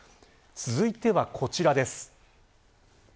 続いてはこちらです。